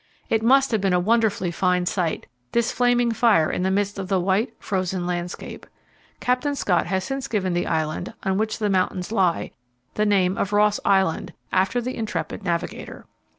It must have been a wonderfully fine sight, this flaming fire in the midst of the white, frozen landscape. Captain Scott has since given the island, on which the mountains lie, the name of Ross Island, after the intrepid navigator.